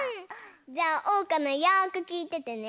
じゃあおうかのよくきいててね。